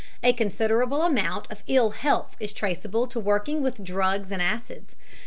A considerable amount of ill health is traceable to working with drugs and acids.